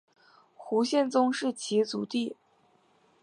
胡宗宪是其族弟。